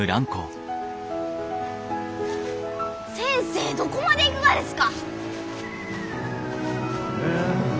先生どこまで行くがですか？